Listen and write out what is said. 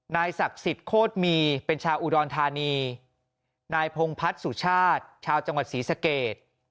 ศักดิ์สิทธิ์โคตรมีเป็นชาวอุดรธานีนายพงพัฒน์สุชาติชาวจังหวัดศรีสเกต